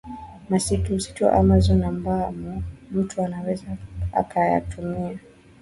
masitu wa Amazon ambamo mtu anaweza akayatumia